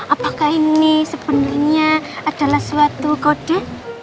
apakah ini sebenarnya adalah suatu kode